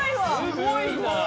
すごいなあ。